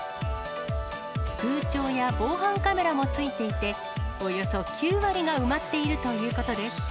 空調や防犯カメラも付いていて、およそ９割が埋まっているということです。